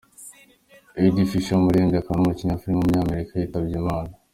Eddie Fisher, umuririmbyi akaba n’umukinnyi wa film w’umunyamerika yitabye Imana.